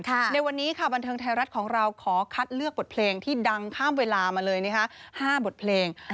ในวันนี้ค่ะบันเทิงไทยรัฐของเราขอคัดเลือกบทเพลงที่ดังข้ามเวลามาเลยนะคะ๕บทเพลง